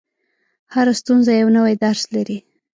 • هره ستونزه یو نوی درس لري.